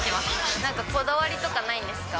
なんかこだわりとかないんですか？